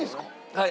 はい。